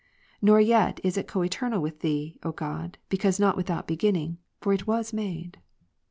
Nor yet is it coeternal with Thee, O God, because not without beginning ; for it was made.